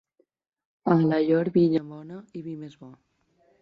A Alaior, vinya bona i vi més bo.